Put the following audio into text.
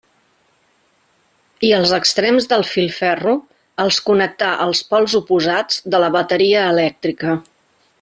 I els extrems del filferro els connectà als pols oposats de la bateria elèctrica.